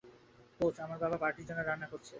Coach, আমার বাবা পার্টির জন্য রান্না করছে।